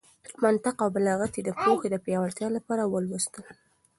منطق او بلاغت يې د پوهې د پياوړتيا لپاره ولوستل.